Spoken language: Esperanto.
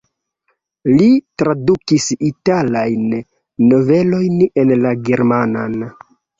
Li tradukis italajn novelojn en la germanan.